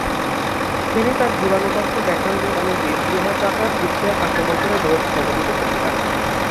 তিনি তার জীবাণু তত্ত্বে দেখান যে অণুজীব বৃহদাকার জীবকে আক্রমণ করে রোগ সংঘটিত করতে পারে।